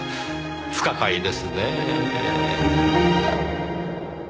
不可解ですねぇ。